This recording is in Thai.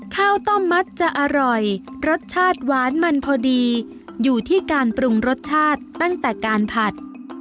ข้าวต้มมัดจะอร่อยรสชาติหวานมันพอดีอยู่ที่การปรุงรสชาติตั้งแต่การผัด